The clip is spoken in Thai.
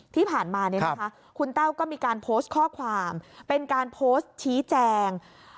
ที่ผ่านมาคุณแต้วก็มีการโพสต์ข้อความเป็นการโพสต์ชี้แจง